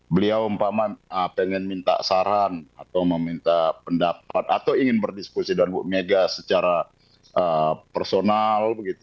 beliau pengen minta saran atau meminta pendapat atau ingin berdiskusi dengan bu mega secara personal